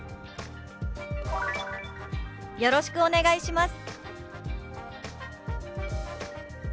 「よろしくお願いします」。